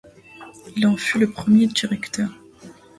Il en fut le premier directeur.